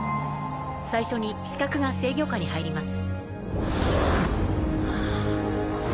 最初に視覚が制御下に入ります。